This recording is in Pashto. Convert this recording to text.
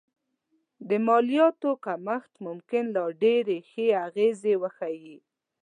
د مالیاتو کمښت ممکن لا ډېرې ښې اغېزې وښيي